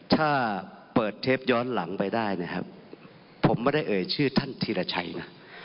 ถ้าเปิดเทปย้อนหลังไปได้นะครับผมไม่ได้เอ่ยชื่อท่านธีรชัยนะ